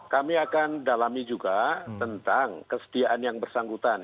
kami akan dalami juga tentang kesediaan yang bersangkutan